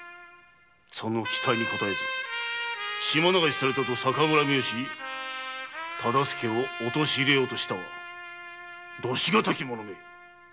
その期待に応えず島流しされたと逆恨みをし忠相を陥れようとしたとは度し難き者め！